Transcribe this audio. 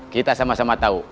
kita sama sama tahu